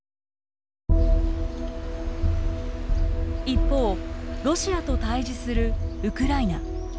一方ロシアと対じするウクライナ。